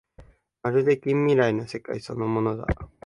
まるで近未来の世界そのものだ